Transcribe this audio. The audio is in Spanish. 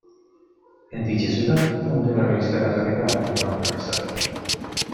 En dicha ciudad fundó la revista católica "El Pan del Rosario".